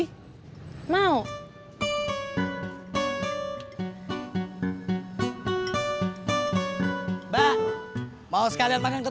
iya enak banget bang besoknya mau lagi gak mau besoknya lagi